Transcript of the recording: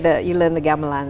kamu belajar gamelan